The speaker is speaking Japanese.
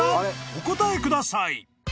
お答えください］